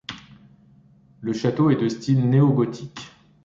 Le château est de style néo-gothique.